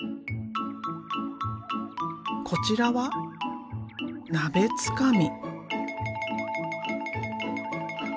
こちらは鍋つかみ。